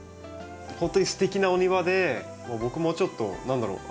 ほんとにすてきなお庭で僕もちょっと何だろう